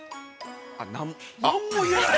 ◆何も言えない？